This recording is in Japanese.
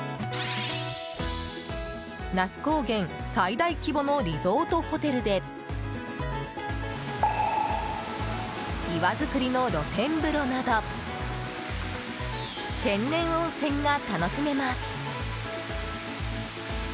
那須高原最大規模のリゾートホテルで岩作りの露天風呂など天然温泉が楽しめます。